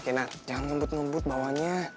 kinar jangan ngebut ngebut bawahnya